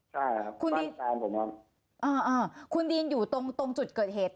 ใช่ครับบ้านคุณดีนอยู่ตรงจุดเกิดเหตุ